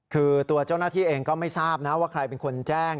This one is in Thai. คือตัวเจ้าหน้าที่เองก็ไม่ทราบนะว่าใครเป็นคนแจ้ง